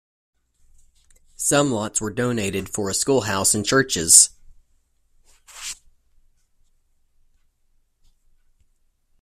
Some lots were donated for a schoolhouse and churches.